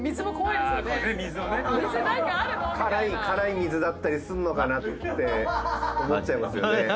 辛い水だったりするのかなって思っちゃいますよね。